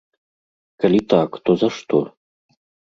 Калі так, то за што?